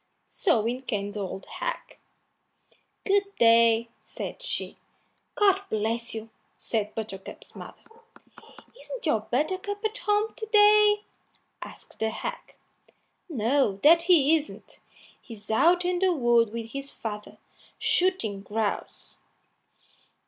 So in came the old hag. "Good day," said she. "God bless you!" said Buttercup's mother. "Isn't your Buttercup at home to day?" asked the hag. "No, that he isn't. He's out in the wood with his father, shooting grouse."